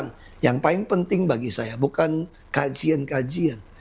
dan yang paling penting bagi saya bukan kajian kajian